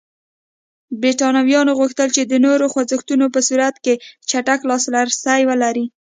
برېټانویانو غوښتل چې د نورو خوځښتونو په صورت کې چټک لاسرسی ولري.